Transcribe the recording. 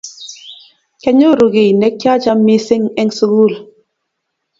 kyanyoru kiiy nikyachan missing eng sugul